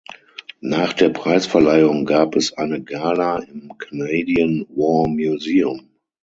Nach der Preisverleihung gab es eine Gala im Canadian War Museum.